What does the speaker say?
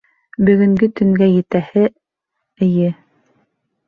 — Бөгөнгө төнгә етәһе, эйе...